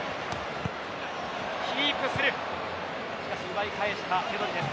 奪い返したペドリです。